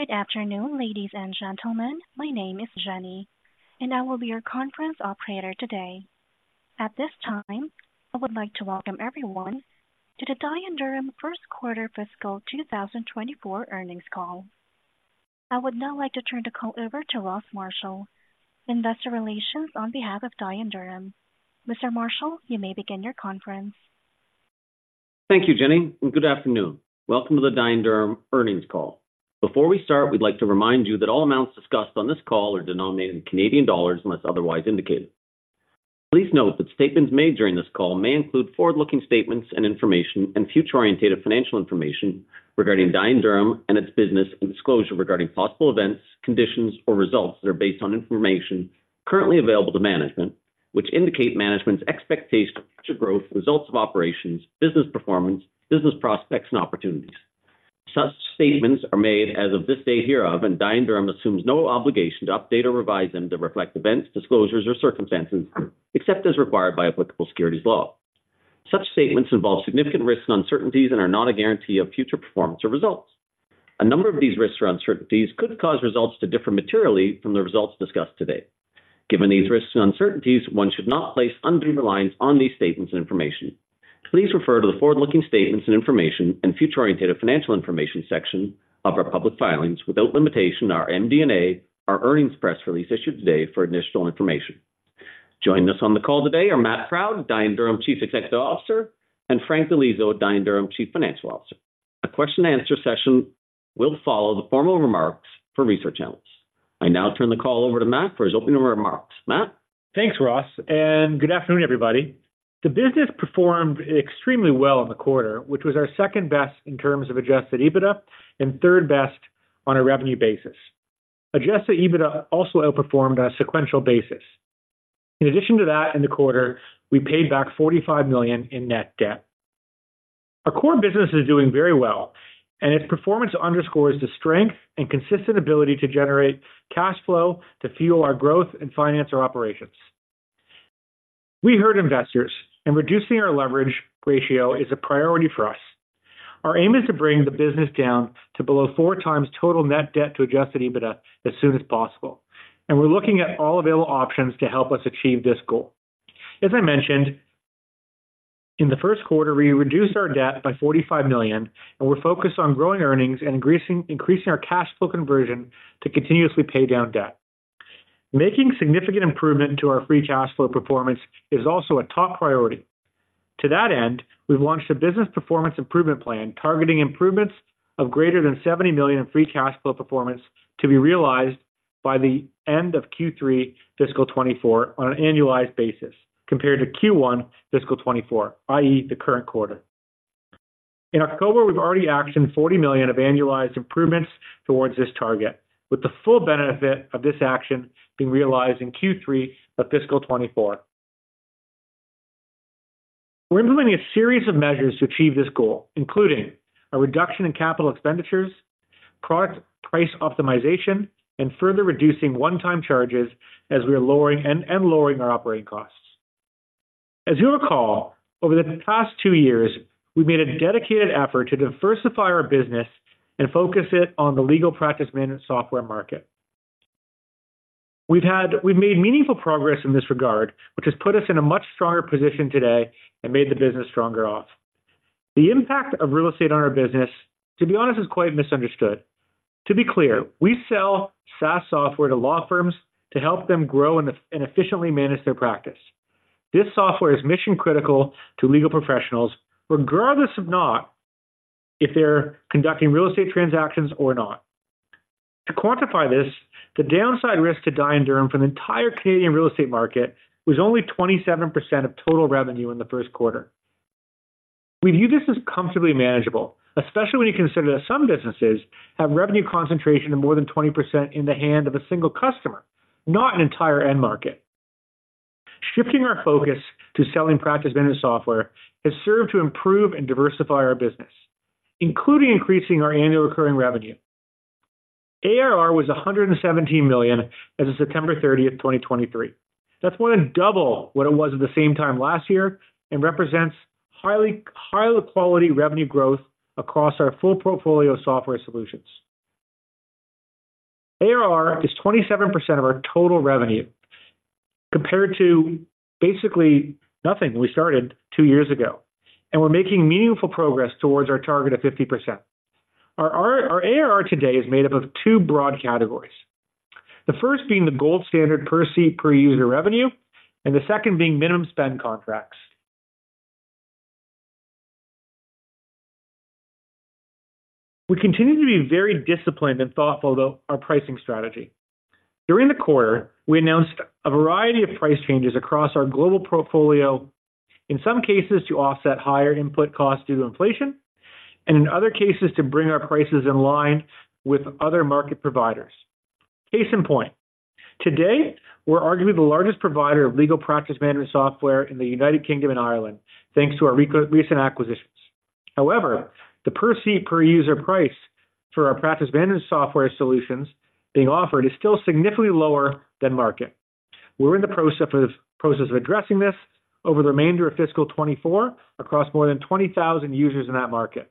Good afternoon, ladies and gentlemen. My name is Jenny, and I will be your conference operator today. At this time, I would like to welcome everyone to the Dye & Durham first quarter fiscal 2024 earnings call. I would now like to turn the call over to Ross Marshall, Investor Relations, on behalf of Dye & Durham. Mr. Marshall, you may begin your conference. Thank you, Jenny, and good afternoon. Welcome to the Dye & Durham earnings call. Before we start, we'd like to remind you that all amounts discussed on this call are denominated in Canadian dollars, unless otherwise indicated. Please note that statements made during this call may include forward-looking statements and information and future-oriented financial information regarding Dye & Durham and its business, and disclosure regarding possible events, conditions, or results that are based on information currently available to management, which indicate management's expectations of growth, results of operations, business performance, business prospects, and opportunities. Such statements are made as of this date hereof, and Dye & Durham assumes no obligation to update or revise them to reflect events, disclosures, or circumstances, except as required by applicable securities law. Such statements involve significant risks and uncertainties and are not a guarantee of future performance or results. A number of these risks or uncertainties could cause results to differ materially from the results discussed today. Given these risks and uncertainties, one should not place undue reliance on these statements and information. Please refer to the forward-looking statements and information and future-oriented financial information section of our public filings, without limitation, our MD&A, our earnings press release issued today for additional information. Joining us on the call today are Matt Proud, Dye & Durham's Chief Executive Officer, and Frank Di Liso, Dye & Durham's Chief Financial Officer. A question and answer session will follow the formal remarks for research analysts. I now turn the call over to Matt for his opening remarks. Matt? Thanks, Ross, and good afternoon, everybody. The business performed extremely well in the quarter, which was our second best in terms of adjusted EBITDA and third best on a revenue basis. Adjusted EBITDA also outperformed on a sequential basis. In addition to that, in the quarter, we paid back 45 million in net debt. Our core business is doing very well, and its performance underscores the strength and consistent ability to generate cash flow to fuel our growth and finance our operations. We heard investors, and reducing our leverage ratio is a priority for us. Our aim is to bring the business down to below 4x total net debt to adjusted EBITDA as soon as possible, and we're looking at all available options to help us achieve this goal. As I mentioned, in the first quarter, we reduced our debt by 45 million, and we're focused on growing earnings and increasing, increasing our cash flow conversion to continuously pay down debt. Making significant improvement to our free cash flow performance is also a top priority. To that end, we've launched a business performance improvement plan, targeting improvements of greater than 70 million in free cash flow performance to be realized by the end of Q3 fiscal 2024 on an annualized basis, compared to Q1 fiscal 2024, i.e., the current quarter. In October, we've already actioned 40 million of annualized improvements towards this target, with the full benefit of this action being realized in Q3 of fiscal 2024. We're implementing a series of measures to achieve this goal, including a reduction in capital expenditures, product price optimization, and further reducing one-time charges as we are lowering our operating costs. As you recall, over the past two years, we've made a dedicated effort to diversify our business and focus it on the legal practice management software market. We've made meaningful progress in this regard, which has put us in a much stronger position today and made the business stronger off. The impact of real estate on our business, to be honest, is quite misunderstood. To be clear, we sell SaaS software to law firms to help them grow and efficiently manage their practice. This software is mission critical to legal professionals, regardless of not if they're conducting real estate transactions or not. To quantify this, the downside risk to Dye & Durham from the entire Canadian real estate market was only 27% of total revenue in the first quarter. We view this as comfortably manageable, especially when you consider that some businesses have revenue concentration of more than 20% in the hand of a single customer, not an entire end market. Shifting our focus to selling practice management software has served to improve and diversify our business, including increasing our annual recurring revenue. ARR was 117 million as of September 30, 2023. That's more than double what it was at the same time last year and represents highly, highly quality revenue growth across our full portfolio of software solutions. ARR is 27% of our total revenue, compared to basically nothing we started two years ago, and we're making meaningful progress towards our target of 50%. Our ARR today is made up of two broad categories. The first being the gold standard per seat, per user revenue, and the second being minimum spend contracts. We continue to be very disciplined and thoughtful to our pricing strategy. During the quarter, we announced a variety of price changes across our global portfolio, in some cases, to offset higher input costs due to inflation, and in other cases, to bring our prices in line with other market providers. Case in point, today, we're arguably the largest provider of legal practice management software in the United Kingdom and Ireland, thanks to our recent acquisitions. However, the per seat, per user price for our practice management software solutions being offered is still significantly lower than market. We're in the process of addressing this over the remainder of fiscal 2024, across more than 20,000 users in that market.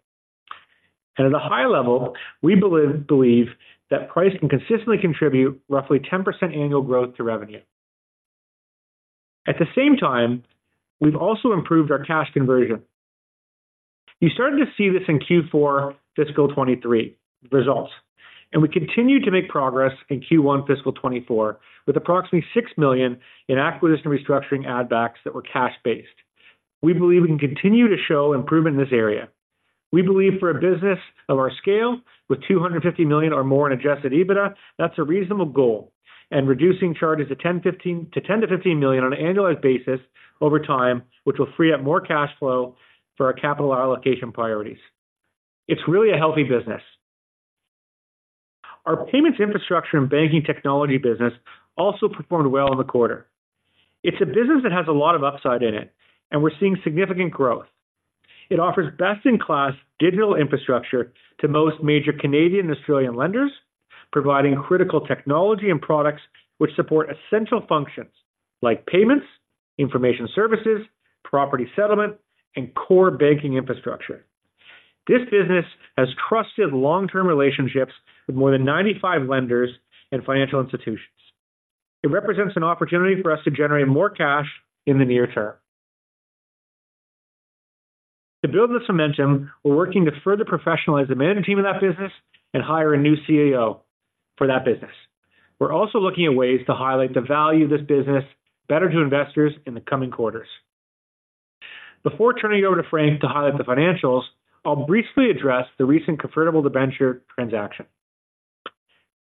At a high level, we believe that price can consistently contribute roughly 10% annual growth to revenue. At the same time, we've also improved our cash conversion. You started to see this in Q4 fiscal 2023 results, and we continued to make progress in Q1 fiscal 2024, with approximately 6 million in acquisition restructuring add backs that were cash-based. We believe we can continue to show improvement in this area. We believe for a business of our scale, with 250 million or more in Adjusted EBITDA, that's a reasonable goal, and reducing charges to 10-15 million on an annualized basis over time, which will free up more cash flow for our capital allocation priorities. It's really a healthy business. Our payments infrastructure and banking technology business also performed well in the quarter. It's a business that has a lot of upside in it, and we're seeing significant growth. It offers best-in-class digital infrastructure to most major Canadian and Australian lenders, providing critical technology and products which support essential functions like payments, information services, property settlement, and core banking infrastructure. This business has trusted long-term relationships with more than 95 lenders and financial institutions. It represents an opportunity for us to generate more cash in the near term. To build this momentum, we're working to further professionalize the management team in that business and hire a new CEO for that business. We're also looking at ways to highlight the value of this business better to investors in the coming quarters. Before turning it over to Frank to highlight the financials, I'll briefly address the recent Convertible Debenture transaction.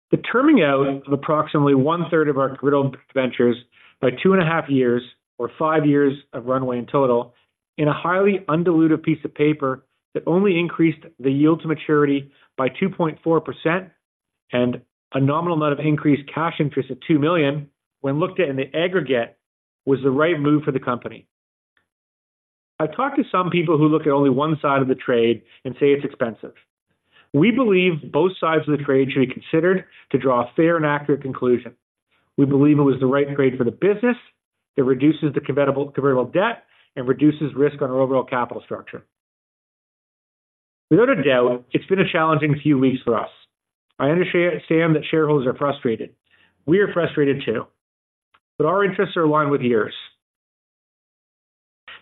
The terming out of approximately one-third of our convertible debentures by 2.5 years or 5 years of runway in total, in a highly undiluted piece of paper that only increased the yield to maturity by 2.4% and a nominal amount of increased cash interest of 2 million when looked at in the aggregate, was the right move for the company. I've talked to some people who look at only one side of the trade and say it's expensive. We believe both sides of the trade should be considered to draw a fair and accurate conclusion. We believe it was the right trade for the business. It reduces the convertible debt and reduces risk on our overall capital structure. Without a doubt, it's been a challenging few weeks for us. I understand that shareholders are frustrated. We are frustrated too, but our interests are aligned with yours.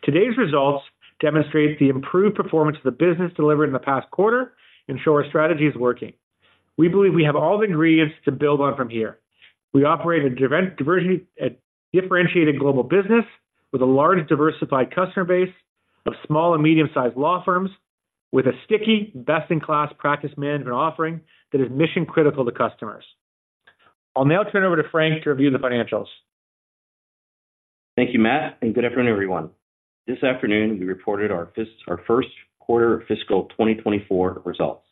Today's results demonstrate the improved performance of the business delivered in the past quarter and show our strategy is working. We believe we have all the ingredients to build on from here. We operate a differentiated global business with a large, diversified customer base of small and medium-sized law firms, with a sticky, best-in-class practice management offering that is mission-critical to customers. I'll now turn it over to Frank to review the financials. Thank you, Matt, and good afternoon, everyone. This afternoon, we reported our first quarter of fiscal 2024 results.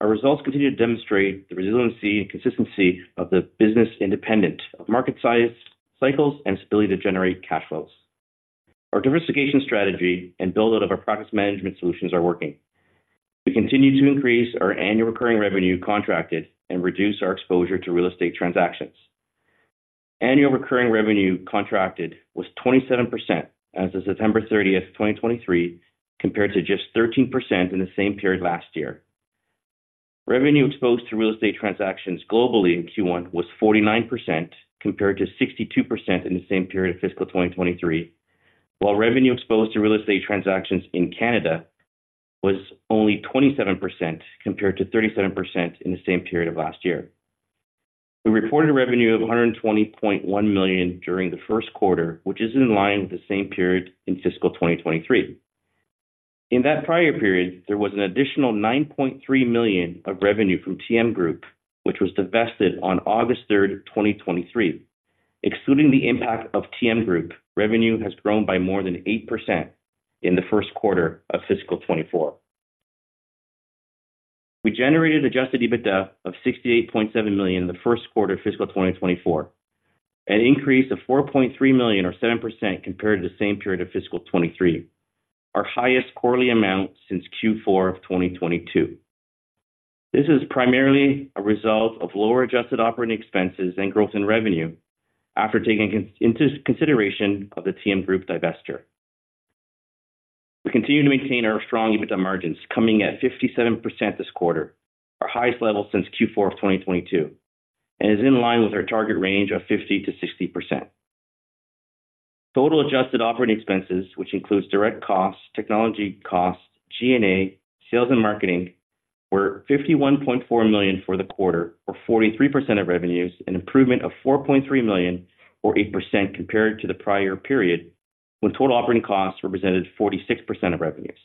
Our results continue to demonstrate the resiliency and consistency of the business, independent of market size, cycles, and ability to generate cash flows. Our diversification strategy and build-out of our practice management solutions are working. We continue to increase our annual recurring revenue contracted and reduce our exposure to real estate transactions. Annual recurring revenue contracted was 27% as of September 30, 2023, compared to just 13% in the same period last year. Revenue exposed to real estate transactions globally in Q1 was 49%, compared to 62% in the same period of fiscal 2023, while revenue exposed to real estate transactions in Canada was only 27%, compared to 37% in the same period of last year. We reported revenue of 120.1 million during the first quarter, which is in line with the same period in fiscal 2023. In that prior period, there was an additional 9.3 million of revenue from TM Group, which was divested on August 3, 2023. Excluding the impact of TM Group, revenue has grown by more than 8% in the first quarter of fiscal 2024. We generated Adjusted EBITDA of 68.7 million in the first quarter of fiscal 2024, an increase of 4.3 million or 7% compared to the same period of fiscal 2023, our highest quarterly amount since Q4 of 2022. This is primarily a result of lower adjusted operating expenses and growth in revenue after taking into consideration of the TM Group divesture. We continue to maintain our strong EBITDA margins, coming at 57% this quarter, our highest level since Q4 of 2022, and is in line with our target range of 50%-60%. Total adjusted operating expenses, which includes direct costs, technology costs, G&A, sales and marketing, were 51.4 million for the quarter, or 43% of revenues, an improvement of 4.3 million or 8% compared to the prior period, when total operating costs represented 46% of revenues.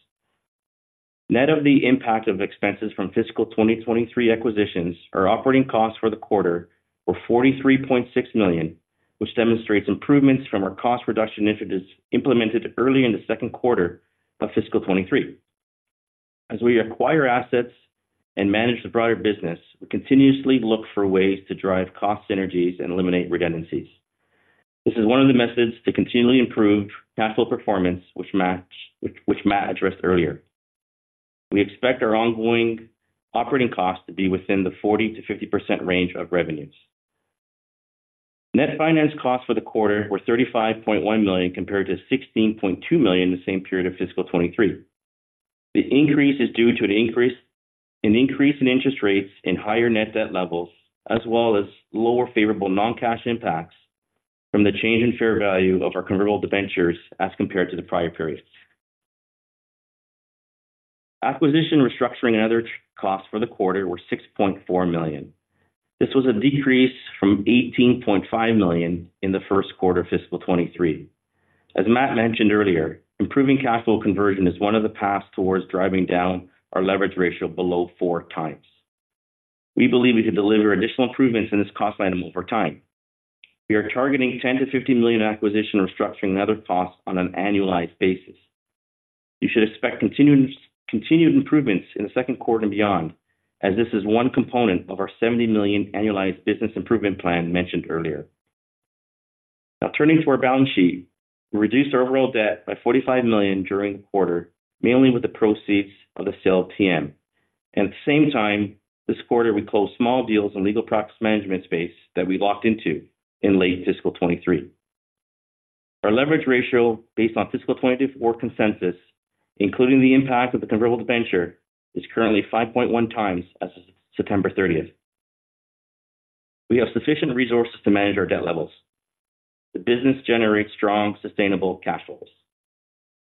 Net of the impact of expenses from fiscal 2023 acquisitions, our operating costs for the quarter were 43.6 million, which demonstrates improvements from our cost reduction initiatives implemented early in the second quarter of fiscal 2023. As we acquire assets and manage the broader business, we continuously look for ways to drive cost synergies and eliminate redundancies. This is one of the methods to continually improve cash flow performance, which Matt addressed earlier.... We expect our ongoing operating costs to be within the 40%-50% range of revenues. Net finance costs for the quarter were 35.1 million, compared to 16.2 million in the same period of fiscal 2023. The increase is due to an increase, an increase in interest rates and higher net debt levels, as well as lower favorable non-cash impacts from the change in fair value of our Convertible Debentures as compared to the prior periods. Acquisition, restructuring, and other costs for the quarter were 6.4 million. This was a decrease from 18.5 million in the first quarter of fiscal 2023. As Matt mentioned earlier, improving cash flow conversion is one of the paths towards driving down our Leverage Ratio below 4x. We believe we can deliver additional improvements in this cost item over time. We are targeting 10-15 million acquisition, restructuring, and other costs on an annualized basis. You should expect continued improvements in the second quarter and beyond, as this is one component of our 70 million annualized business improvement plan mentioned earlier. Now, turning to our balance sheet, we reduced our overall debt by 45 million during the quarter, mainly with the proceeds of the sale of TM. At the same time, this quarter, we closed small deals in legal practice management space that we locked into in late fiscal 2023. Our leverage ratio, based on fiscal 2024 consensus, including the impact of the convertible debenture, is currently 5.1x as of September thirtieth. We have sufficient resources to manage our debt levels. The business generates strong, sustainable cash flows.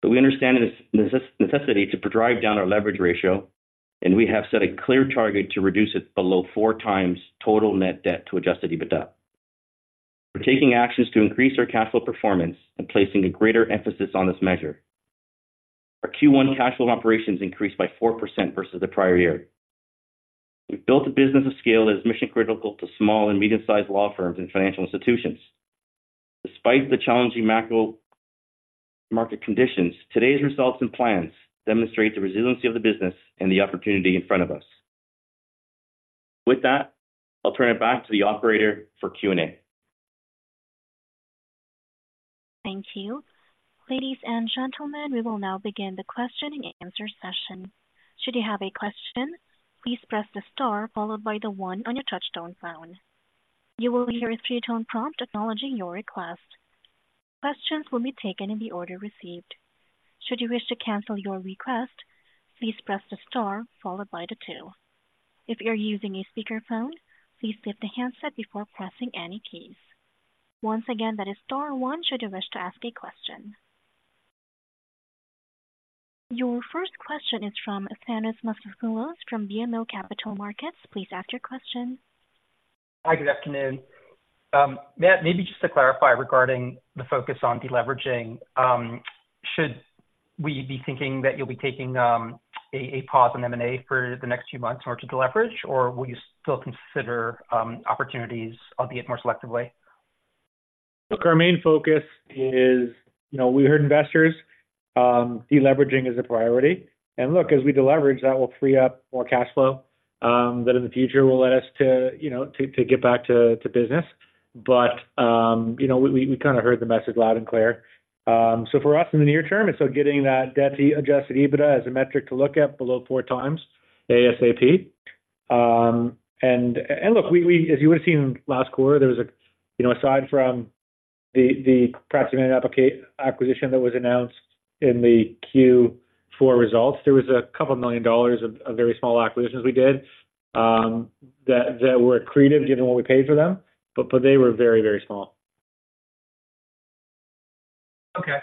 But we understand the necessity to drive down our leverage ratio, and we have set a clear target to reduce it below 4x total net debt to adjusted EBITDA. We're taking actions to increase our cash flow performance and placing a greater emphasis on this measure. Our Q1 cash flow operations increased by 4% versus the prior year. We've built a business of scale that is mission-critical to small and medium-sized law firms and financial institutions. Despite the challenging macro market conditions, today's results and plans demonstrate the resiliency of the business and the opportunity in front of us. With that, I'll turn it back to the operator for Q&A. Thank you. Ladies and gentlemen, we will now begin the question-and-answer session. Should you have a question, please press the star followed by the one on your touchtone phone. You will hear a three-tone prompt acknowledging your request. Questions will be taken in the order received. Should you wish to cancel your request, please press the star followed by the two. If you're using a speakerphone, please lift the handset before pressing any keys. Once again, that is star one should you wish to ask a question. Your first question is from Thanos Moschopoulos from BMO Capital Markets. Please ask your question. Hi, good afternoon. Matt, maybe just to clarify regarding the focus on deleveraging, should we be thinking that you'll be taking a pause on M&A for the next few months in order to deleverage, or will you still consider opportunities, albeit more selectively? Look, our main focus is, you know, we heard investors deleveraging is a priority. Look, as we deleverage, that will free up more cash flow that in the future will let us to, you know, get back to business. But, you know, we kind of heard the message loud and clear. So, for us, in the near term, it's getting that debt to Adjusted EBITDA as a metric to look at below 4x ASAP. And look, we—as you would have seen last quarter, there was, you know, aside from the practice management acquisition that was announced in the Q4 results, 2 million dollars of very small acquisitions we did that were accretive, given what we paid for them, but they were very, very small. Okay.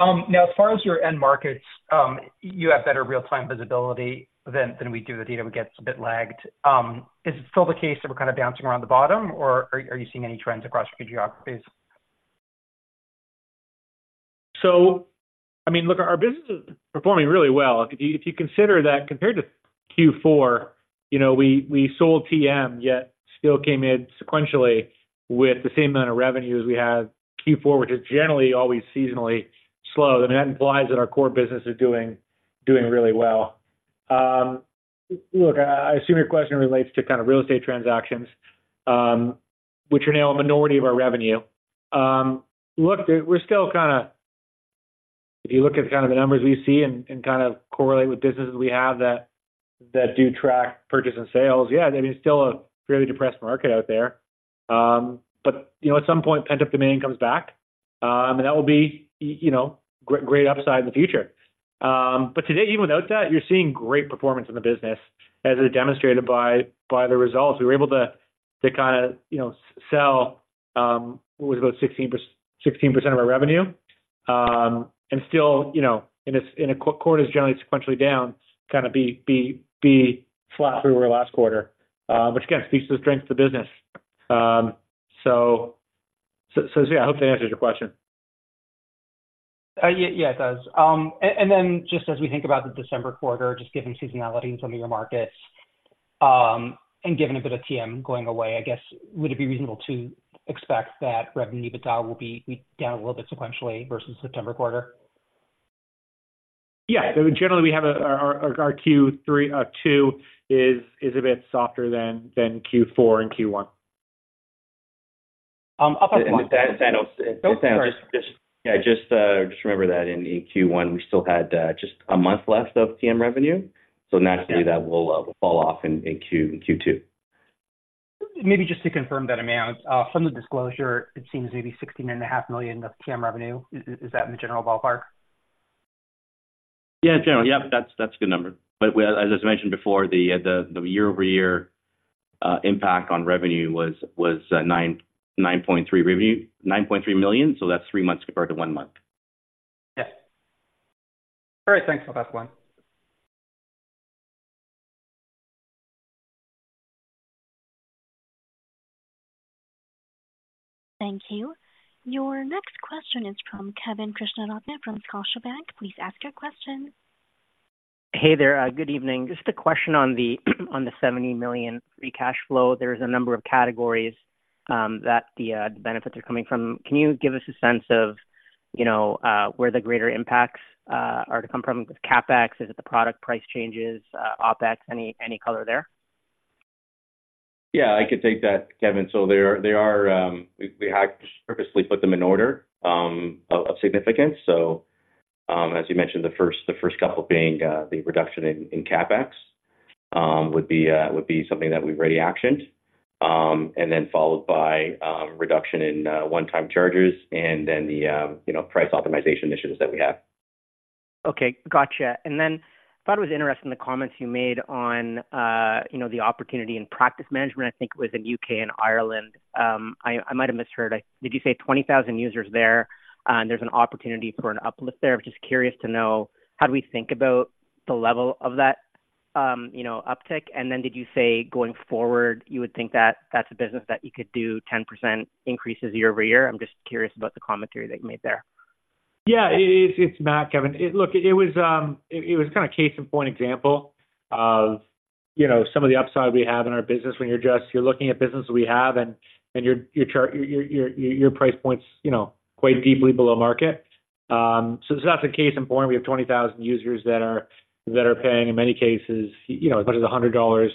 Now, as far as your end markets, you have better real-time visibility than we do. The data gets a bit lagged. Is it still the case that we're kind of bouncing around the bottom, or are you seeing any trends across your geographies? So, I mean, look, our business is performing really well. If you consider that compared to Q4, you know, we sold TM, yet still came in sequentially with the same amount of revenue as we had Q4, which is generally always seasonally slow. Then that implies that our core business is doing really well. Look, I assume your question relates to kind of real estate transactions, which are now a minority of our revenue. Look, we're still kind of. If you look at kind of the numbers we see and kind of correlate with businesses we have that do track purchase and sales, yeah, I mean, it's still a fairly depressed market out there. But, you know, at some point, pent-up demand comes back, and that will be, you know, great upside in the future. But today, even without that, you're seeing great performance in the business. As is demonstrated by the results, we were able to kinda, you know, sell what was about 16%, 16% of our revenue, and still, you know, in a quarter is generally sequentially down, kind of be flat through our last quarter. Which again speaks to the strength of the business. So yeah, I hope that answers your question. Yeah, yeah, it does. And then just as we think about the December quarter, just given seasonality in some of your markets, and given a bit of TM going away, I guess, would it be reasonable to expect that revenue EBITDA will be down a little bit sequentially versus the September quarter? Yeah. So generally, we have our Q3 22 is a bit softer than Q4 and Q1. Yeah, just remember that in Q1, we still had just a month left of TM revenue, so naturally that will fall off in Q2. Maybe just to confirm that amount. From the disclosure, it seems maybe 16.5 million of TM revenue. Is that in the general ballpark? Yeah, generally. Yeah, that's, that's a good number. But as I mentioned before, the year-over-year impact on revenue was 9.3 revenue - 9.3 million CAD. So that's three months compared to one month. Yeah. All right, thanks. I'll pass the line. Thank you. Your next question is from Kevin Krishnaratne from Scotiabank. Please ask your question. Hey there. Good evening. Just a question on the 70 million free cash flow. There's a number of categories that the benefits are coming from. Can you give us a sense of, you know, where the greater impacts are to come from? With CapEx, is it the product price changes, OpEx? Any color there? Yeah, I could take that, Kevin. So they are, we have purposely put them in order of significance. So, as you mentioned, the first couple being the reduction in CapEx would be something that we've already actioned. And then followed by reduction in one-time charges and then the, you know, price optimization initiatives that we have. Okay, gotcha. And then I thought it was interesting, the comments you made on, you know, the opportunity in practice management. I think it was in UK and Ireland. I might have misheard. Did you say 20,000 users there? And there's an opportunity for an uplift there. I'm just curious to know, how do we think about the level of that, you know, uptick? And then did you say going forward, you would think that that's a business that you could do 10% increases year-over-year? I'm just curious about the commentary that you made there. Yeah, it's Matt, Kevin. Look, it was kind of case in point example of, you know, some of the upside we have in our business when you're just... You're looking at businesses we have and your price points, you know, quite deeply below market. So that's a case in point. We have 20,000 users that are paying, in many cases, you know, as much as 100 dollars,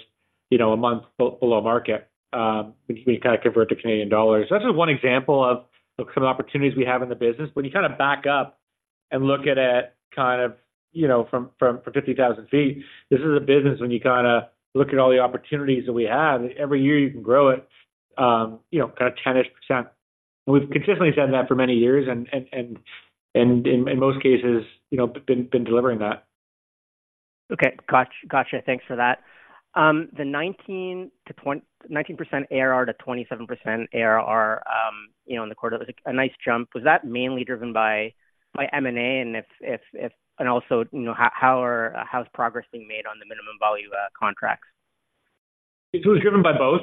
you know, a month below market, when you kind of convert to Canadian dollars. That's just one example of some opportunities we have in the business. When you kind of back up and look at it, kind of, you know, from 50,000 feet, this is a business when you kind of look at all the opportunities that we have, every year, you can grow it, you know, kind of 10-ish%. We've consistently done that for many years and in most cases, you know, been delivering that. Okay. Gotcha. Gotcha. Thanks for that. The 19 to 20-- 19% ARR to 27% ARR, you know, in the quarter, it was a nice jump. Was that mainly driven by M&A? And also, you know, how's progress being made on the minimum volume contracts? It was driven by both.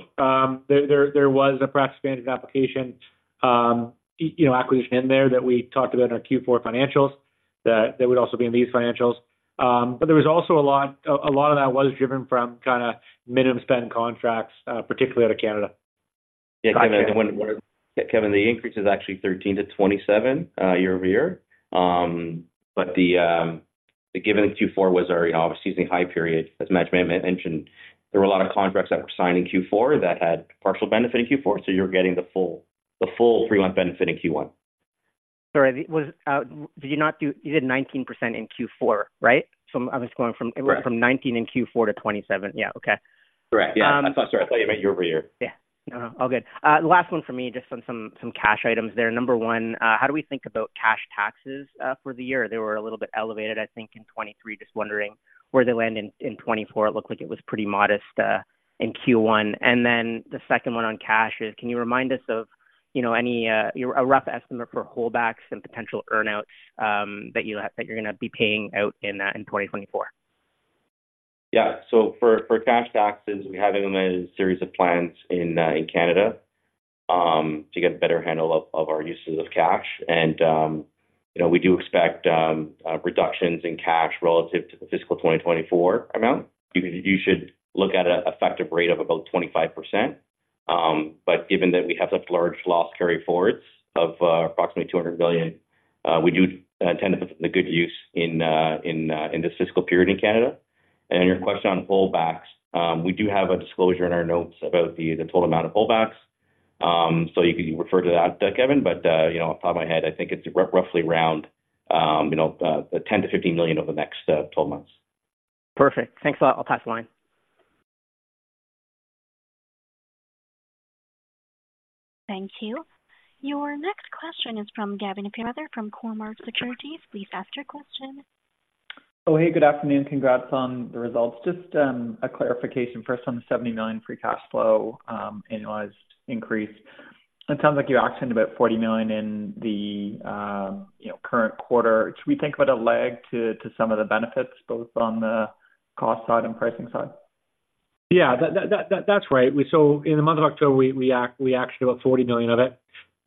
There was a practice management application, you know, acquisition in there that we talked about in our Q4 financials, that would also be in these financials. But there was also a lot of that was driven from kind of minimum spend contracts, particularly out of Canada. Yeah, Kevin, Kevin, the increase is actually 13-27 year-over-year. But the given Q4 was our obviously high period. As Matt mentioned, there were a lot of contracts that were signed in Q4 that had partial benefit in Q4, so you're getting the full, the full three-month benefit in Q1. Sorry, was, did you not do... You did 19% in Q4, right? So I was going from- Correct. - from 19 in Q4 to 27. Yeah. Okay. Correct. Yeah. [crosstalking] I'm sorry. I thought you meant year over year. Yeah. No, all good. The last one for me, just on some cash items there. Number one, how do we think about cash taxes for the year? They were a little bit elevated, I think, in 2023. Just wondering where they land in 2024. It looked like it was pretty modest in Q1. And then the second one on cash is, can you remind us of, you know, any a rough estimate for holdbacks and potential earn-outs that you're gonna be paying out in 2024? Yeah. So for cash taxes, we have implemented a series of plans in Canada to get a better handle of our uses of cash. And you know, we do expect reductions in cash relative to the fiscal 2024 amount. You should look at an effective rate of about 25%. But given that we have such large loss carryforwards of approximately 200 billion, we do tend to put the good use in this fiscal period in Canada. And your question on holdbacks, we do have a disclosure in our notes about the total amount of holdbacks. So you can refer to that, Kevin, but you know, off the top of my head, I think it's roughly around 10 million-15 million over the next 12 months. Perfect. Thanks a lot. I'll pass the line. Thank you. Your next question is from Gavin Fairweather from Cormark Securities. Please ask your question. Oh, hey, good afternoon. Congrats on the results. Just, a clarification first on the 70 million free cash flow, annualized increase. It sounds like you actioned about 40 million in the, you know, current quarter. Should we think about a lag to some of the benefits, both on the cost side and pricing side? Yeah, that's right. So in the month of October, we actioned about 40 million of it.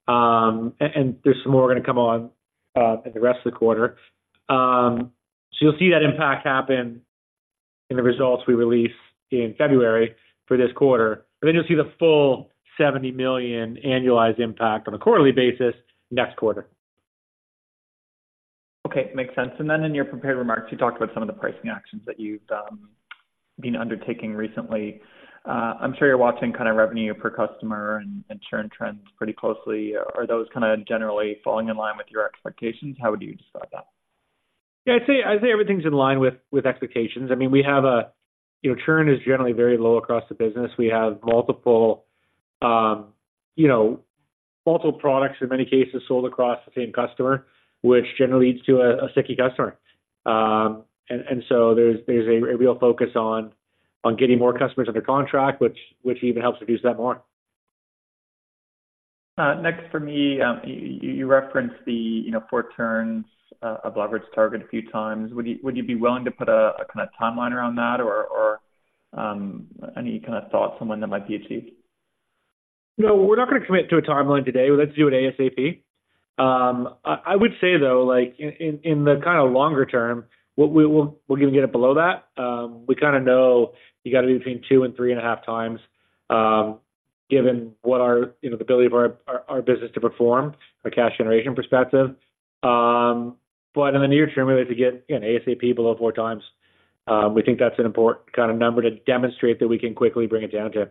And there's some more are going to come on in the rest of the quarter. So you'll see that impact happen in the results we release in February for this quarter, but then you'll see the full 70 million annualized impact on a quarterly basis next quarter.... Okay, makes sense. And then in your prepared remarks, you talked about some of the pricing actions that you've been undertaking recently. I'm sure you're watching kind of revenue per customer and churn trends pretty closely. Are those kinda generally falling in line with your expectations? How would you describe that? Yeah, I'd say everything's in line with expectations. I mean, we have, you know, churn is generally very low across the business. We have multiple, you know, multiple products in many cases sold across the same customer, which generally leads to a sticky customer. And so there's a real focus on getting more customers under contract, which even helps reduce that more. Next for me, you referenced the, you know, 4 turns of leverage target a few times. Would you be willing to put a kinda timeline around that? Or any kinda thought on when that might be achieved? No, we're not gonna commit to a timeline today. Let's do it ASAP. I would say, though, like, in the kinda longer term, what we will-- we're gonna get it below that. We kinda know you gotta be between 2 and 3.5 times, given what our, you know, the ability of our business to perform, a cash generation perspective. But in the near term, we like to get, you know, ASAP below 4 times. We think that's an important kinda number to demonstrate that we can quickly bring it down to.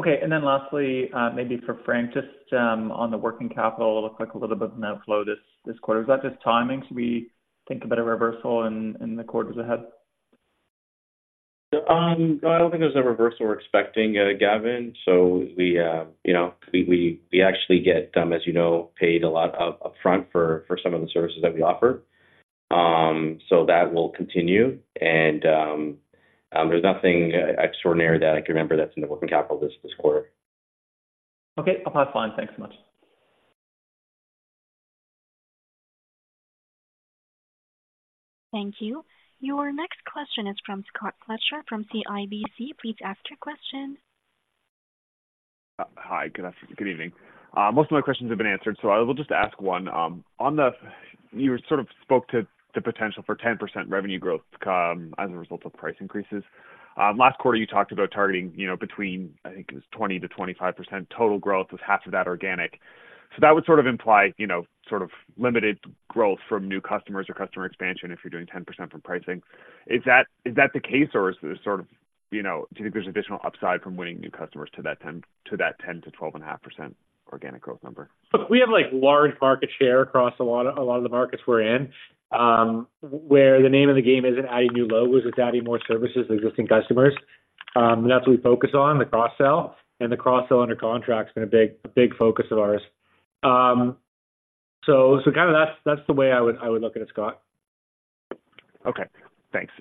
Okay, and then lastly, maybe for Frank, just on the working capital, it looked like a little bit of net flow this quarter. Is that just timing? Should we think about a reversal in the quarters ahead? I don't think there's a reversal we're expecting, Gavin. So we, you know, actually get, as you know, paid a lot upfront for some of the services that we offer. So that will continue. There's nothing extraordinary that I can remember that's in the working capital this quarter. Okay. I'll pass fine. Thanks so much. Thank you. Your next question is from Scott Fletcher, from CIBC. Please ask your question. Hi, good evening. Most of my questions have been answered, so I will just ask one. On the... You sort of spoke to the potential for 10% revenue growth as a result of price increases. Last quarter, you talked about targeting, you know, between, I think it was 20%-25% total growth, with half of that organic. So that would sort of imply, you know, sort of limited growth from new customers or customer expansion if you're doing 10% from pricing. Is that, is that the case, or is there sort of, you know, do you think there's additional upside from winning new customers to that 10, to that 10%-12.5% organic growth number? Look, we have, like, large market share across a lot of the markets we're in, where the name of the game isn't adding new logos, it's adding more services to existing customers. That's what we focus on, the cross-sell, and the cross-sell under contract has been a big focus of ours. So, kinda that's the way I would look at it, Scott. Okay, thanks.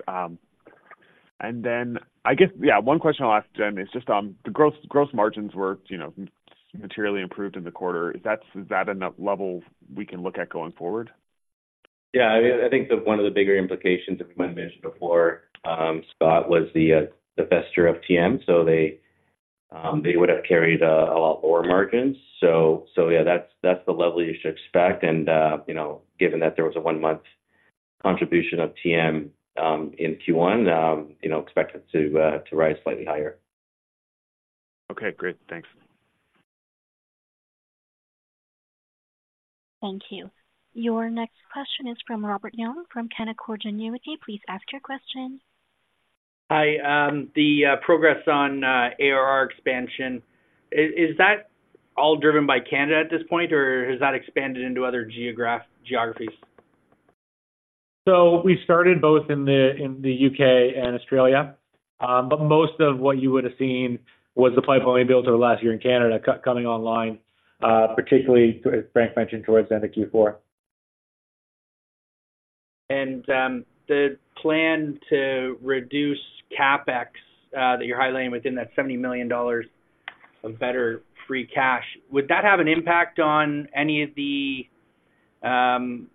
And then I guess, yeah, one question I'll ask Jen is just on the gross, gross margins were, you know, materially improved in the quarter. Is that, is that a level we can look at going forward? Yeah, I think one of the bigger implications, as we mentioned before, Scott, was the faster of TM. So they would have carried a lot lower margins. So yeah, that's the level you should expect. And you know, given that there was a one-month contribution of TM in Q1, you know, expect it to rise slightly higher. Okay, great. Thanks. Thank you. Your next question is from Robert Young, from Canaccord Genuity. Please ask your question. Hi. The progress on ARR expansion, is that all driven by Canada at this point, or has that expanded into other geographies? We started both in the UK and Australia, but most of what you would have seen was the pipeline we built over last year in Canada coming online, particularly, as Frank mentioned, towards the end of Q4. The plan to reduce CapEx that you're highlighting within that 70 million dollars of better free cash, would that have an impact on any of the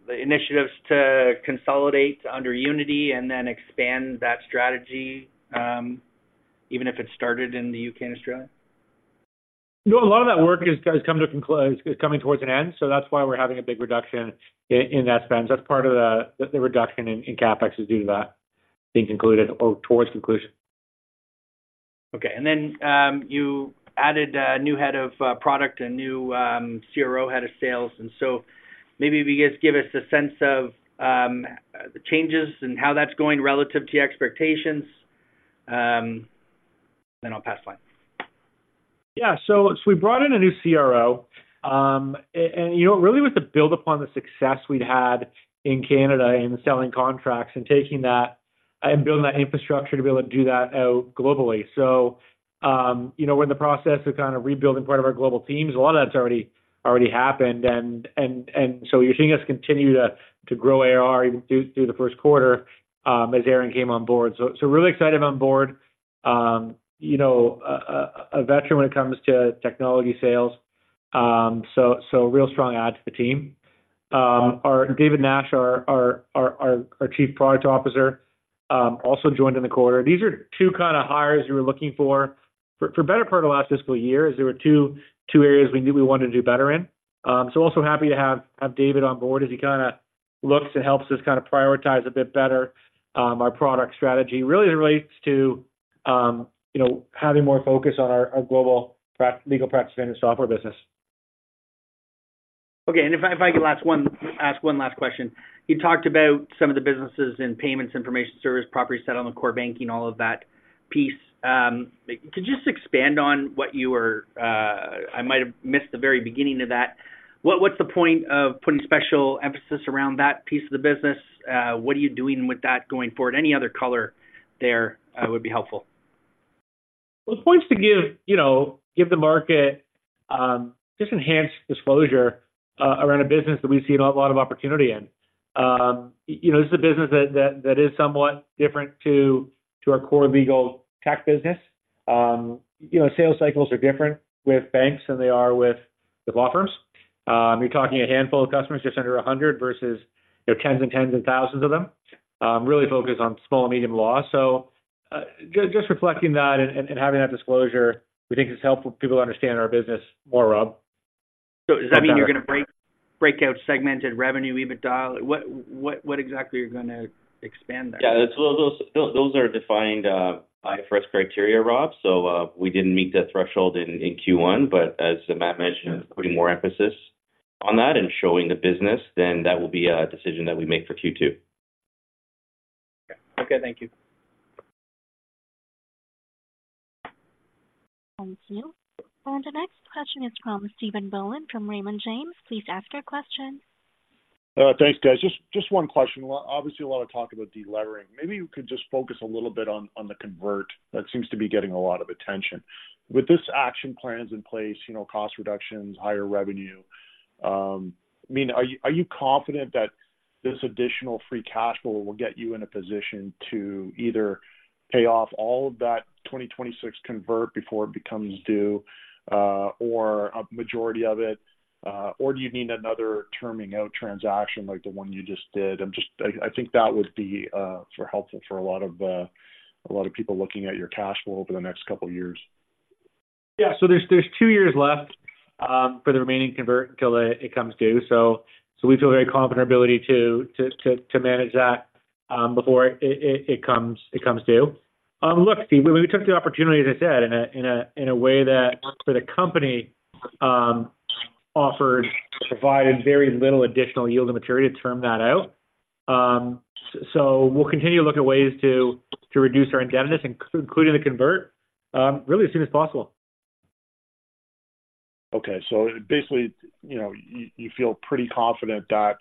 initiatives to consolidate under Unity and then expand that strategy, even if it started in the UK and Australia? No, a lot of that work is coming towards an end, so that's why we're having a big reduction in that spend. That's part of the reduction in CapEx due to that being concluded or towards conclusion. Okay. And then you added a new head of product and new CRO, head of sales, and so maybe if you guys give us a sense of the changes and how that's going relative to your expectations, then I'll pass the line. Yeah. So we brought in a new CRO, and you know, really was to build upon the success we'd had in Canada in selling contracts and taking that and building that infrastructure to be able to do that out globally. So you know, we're in the process of kind of rebuilding part of our global teams. A lot of that's already happened, and so you're seeing us continue to grow ARR even through the first quarter, as Aaron came on board. So really excited him on board. You know, a veteran when it comes to technology sales, so a real strong add to the team. Our David Nash, our Chief Product Officer, also joined in the quarter. These are two kinda hires we were looking for for better part of the last fiscal year, as there were two areas we knew we wanted to do better in. So also happy to have David on board as he kinda looks and helps us kind of prioritize a bit better, our product strategy. Really relates to, you know, having more focus on our global legal practice and software business. Okay. And if I could ask one last question. You talked about some of the businesses and payments, information service, property settlement, core banking, all of that piece. Could you just expand on what you were? I might have missed the very beginning of that. What’s the point of putting special emphasis around that piece of the business? What are you doing with that going forward? Any other color there would be helpful. Well, the point is to give, you know, give the market just enhanced disclosure around a business that we see a lot of opportunity in. You know, this is a business that is somewhat different to our core legal tech business. You know, sales cycles are different with banks than they are with law firms. You're talking a handful of customers, just under 100, versus, you know, tens and tens of thousands of them. Really focused on small and medium law. So, just reflecting that and having that disclosure, we think is helpful for people to understand our business more, Rob. So does that mean you're gonna break out segmented revenue, EBITDA? What exactly are you gonna expand there? Yeah, those are defined IFRS criteria, Rob. So, we didn't meet that threshold in Q1, but as Matt mentioned, putting more emphasis on that and showing the business, then that will be a decision that we make for Q2. Okay. Thank you. Thank you. The next question is from Stephen Boland from Raymond James. Please ask your question. Thanks, guys. Just one question. Obviously, a lot of talk about delevering. Maybe you could just focus a little bit on the convert that seems to be getting a lot of attention. With this action plans in place, you know, cost reductions, higher revenue, I mean, are you confident that this additional free cash flow will get you in a position to either pay off all of that 2026 convert before it becomes due, or a majority of it? Or do you need another terming out transaction like the one you just did? I'm just—I think that would be helpful for a lot of people looking at your cash flow over the next couple of years. Yeah. So there's two years left for the remaining convert until it comes due. So we feel very confident in our ability to manage that before it comes due. Look, Stephen, we took the opportunity, as I said, in a way that for the company offered provided very little additional yield and maturity to term that out. So we'll continue to look at ways to reduce our indebtedness, including the convert, really as soon as possible. Okay. So basically, you know, you feel pretty confident that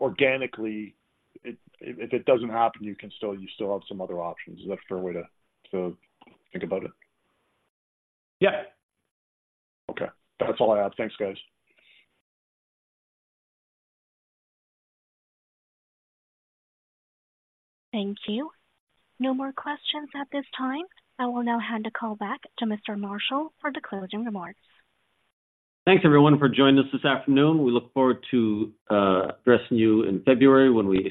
organically, if it doesn't happen, you can still have some other options. Is that a fair way to think about it? Yeah. Okay. That's all I have. Thanks, guys. Thank you. No more questions at this time. I will now hand the call back to Mr. Marshall for the closing remarks. Thanks, everyone, for joining us this afternoon. We look forward to addressing you in February when we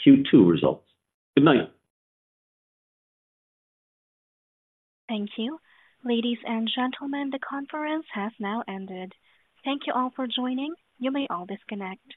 issue our Q2 results. Good night. Thank you. Ladies and gentlemen, the conference has now ended. Thank you all for joining. You may all disconnect.